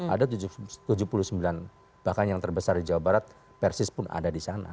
ada tujuh puluh sembilan bahkan yang terbesar di jawa barat persis pun ada di sana